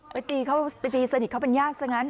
ประตีเขาประตีสนิทเขาเป็นญาติทั้งนั้น